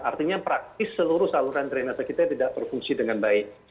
artinya praktis seluruh saluran drainase kita tidak berfungsi dengan baik